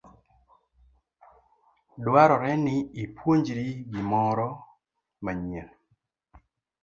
Dwarore ni ipuonjri gimoro manyien.